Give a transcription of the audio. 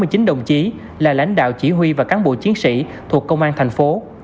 chính đồng chí là lãnh đạo chỉ huy và cán bộ chiến sĩ thuộc công an tp hcm